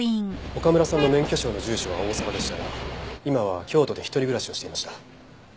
岡村さんの免許証の住所は大阪でしたが今は京都で一人暮らしをしていました。